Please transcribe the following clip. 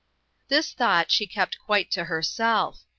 This thought she kept quite to herself.